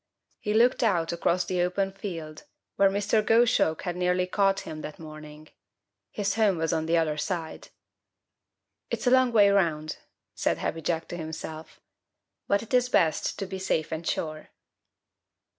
He looked out across the open field where Mr. Goshawk had nearly caught him that morning. His home was on the other side. "It's a long way 'round," said Happy Jack to himself, "but it is best to be safe and sure."